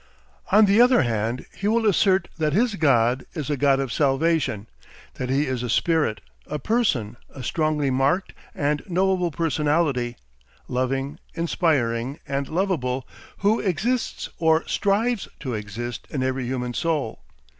On the other hand he will assert that his God is a god of salvation, that he is a spirit, a person, a strongly marked and knowable personality, loving, inspiring, and lovable, who exists or strives to exist in every human soul.